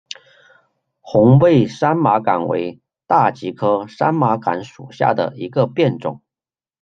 红背山麻杆为大戟科山麻杆属下的一个变种。